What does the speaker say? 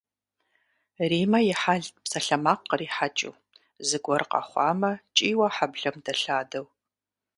Риммэ и хьэлт псалъэмакъ кърихьэкӏыу, зыгуэр къэхъуамэ кӏийуэ хьэблэм дэлъадэу.